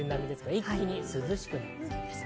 一気に涼しくなりそうです。